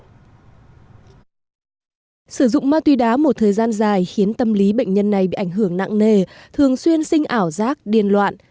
sử dụng ma túy đá một thời gian dài khiến tâm lý bệnh nhân này bị ảnh hưởng nặng nề thường xuyên sinh ảo giác điên loạn